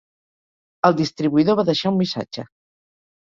El distribuïdor va deixar un missatge.